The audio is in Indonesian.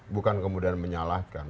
bukan kemudian menyalahkan